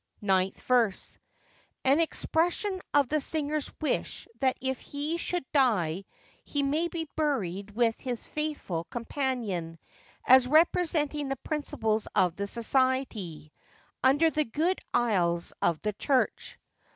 Ninth Verse.—An expression of the singer's wish that if he should die he may be buried with his faithful companion, as representing the principles of the Society, under the good aisles of the church.